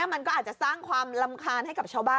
อยากจะเลื่อม